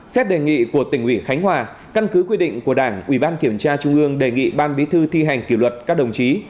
xét đề nghị của tỉnh ủy khánh hòa căn cứ quy định của đảng ủy ban kiểm tra trung ương đề nghị ban bí thư thi hành kỷ luật các đồng chí